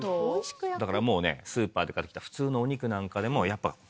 だからもうねスーパーで買ってきた普通のお肉なんかでもやっぱもうこの。